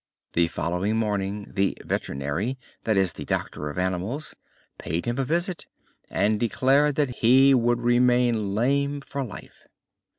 The following morning the veterinary, that is, the doctor of animals, paid him a visit, and declared that he would remain lame for life.